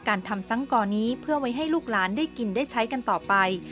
การทำสังกรนี้เพื่อไว้ให้ลูกหลานได้กินได้ใช้กันต่อไป